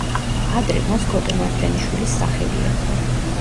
ადრე მას კოტე მარჯანიშვილის სახელი ერქვა.